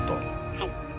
はい。